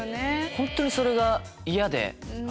本当にそれが嫌で。